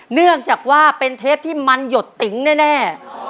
เนื่องจากว่าเป็นเทปที่มันหยดติ๋งแน่